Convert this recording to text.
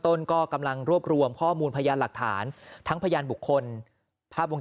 ต้นก็กำลังรวบรวมข้อมูลพยานหลักฐานทั้งพยานบุคคลภาพวง